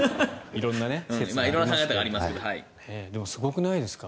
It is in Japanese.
色んな考え方がありますから。